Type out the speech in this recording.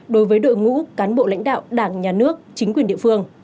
đối với đội ngũ cán bộ lãnh đạo đảng nhà nước chính quyền địa phương